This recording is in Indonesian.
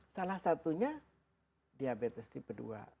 salah satunya diabetes tipe dua